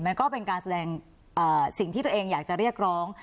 มันก็เป็นการแสดงสิ่งที่ตัวเองอยากจะเรียกร้อง